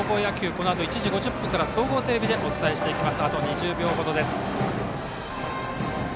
このあと１時５０分から総合テレビでお伝えしていきます。